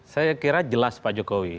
saya kira jelas pak jokowi